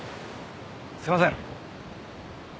すみません！